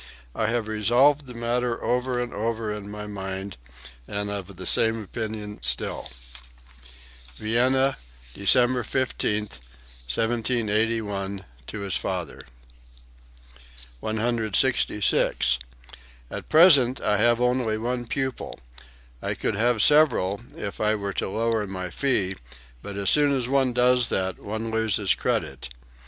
I have resolved the matter over and over in my mind and am of the same opinion still." (Vienna, December 15, 1781, to his father.) 166. "At present I have only one pupil....I could have several if I were to lower my fee; but as soon as one does that one loses credit.